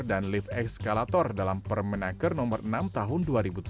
dan lift eskalator dalam permenaker no enam tahun dua ribu tujuh belas